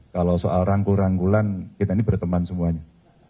kalau soal rangkul rangkulan kita ini berteman semuanya